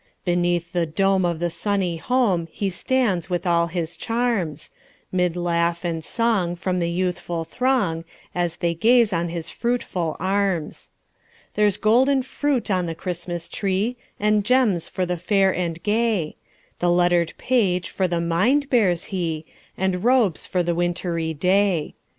Beneath the dome of the sunny home, He stands with all his charms; 'Mid laugh and song from the youthful throng, As they gaze on his fruitful arms. There's golden fruit on the Christmas tree, And gems for the fair and gay; The lettered page for the mind bears he, And robes for the wintry day.